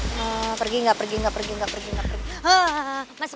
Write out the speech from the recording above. eeeh pergi enggak pergi enggak pergi enggak pergi enggak pergi